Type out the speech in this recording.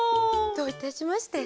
どういたしまして。